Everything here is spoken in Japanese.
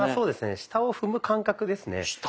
下を踏む感覚ですね。